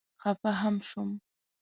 خفه هم شوم.